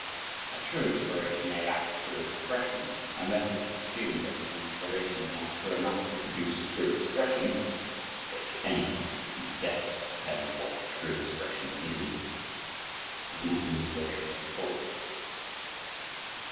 A true inspiration may lack a true expression unless it is assumed that if an inspiration is not true enough to produce a true expression (if there be anyone who can definitely determine what a true expression is) it is not an inspiration at all.